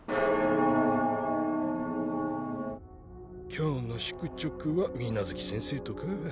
今日の宿直は水無月先生とか。